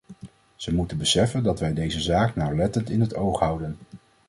Ze moeten beseffen dat wij deze zaak nauwlettend in het oog houden!